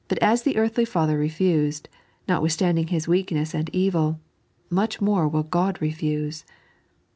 But as the earthly father refused, notwithstanding his weakness and evil, much more will Qod refuse.